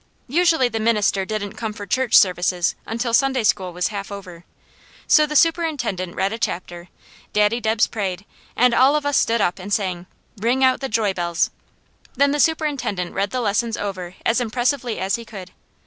Usually the minister didn't come for church services until Sunday school was half over, so the superintendent read a chapter, Daddy Debs prayed, and all of us stood up and sang: "Ring Out the Joy Bells." Then the superintendent read the lesson over as impressively as he could.